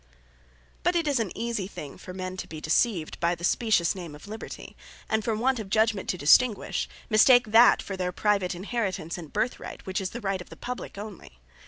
But it is an easy thing, for men to be deceived, by the specious name of Libertie; and for want of Judgement to distinguish, mistake that for their Private Inheritance, and Birth right, which is the right of the Publique only.